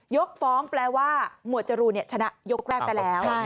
ยกฟ้องแปลว่าโมชรูเนี่ยชนะยกแรกไปแล้ว